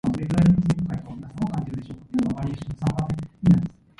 They were newly raised units rather than being third century creations.